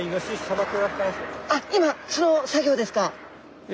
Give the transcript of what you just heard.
あ今その作業ですか。